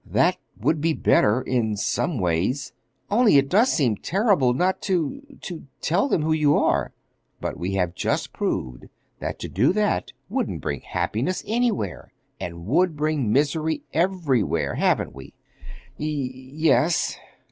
"That would be better—in some ways; only it does seem terrible not to—to tell them who you are." "But we have just proved that to do that wouldn't bring happiness anywhere, and would bring misery everywhere, haven't we?" "Y yes."